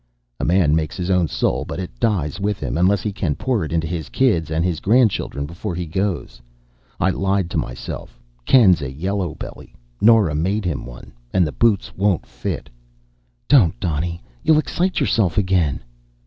"A man makes his own soul, but it dies with him, unless he can pour it into his kids and his grandchildren before he goes. I lied to myself. Ken's a yellow belly. Nora made him one, and the boots won't fit." "Don't, Donny. You'll excite yourself again."